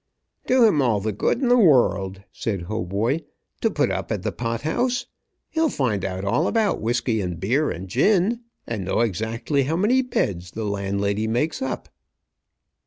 "Do him all the good in the world," said Hautboy, "to put up at the pot house. He'll find out all about whiskey and beer and gin, and know exactly how many beds the landlady makes up."